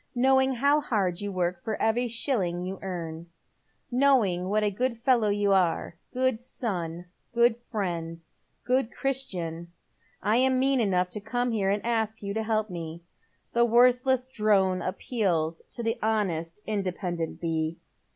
Knowing how hard you work for every ehilling you earn — knowing what a good fellow you are — good son, good fiiend, good Christian — I am mean enough to come here and ask you to help me. The worthless drone appeals to the honest, independent bee."